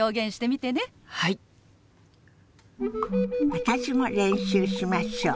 私も練習しましょう。